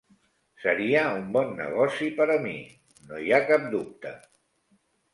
Seria un bon negoci per a mi, no hi ha cap dubte.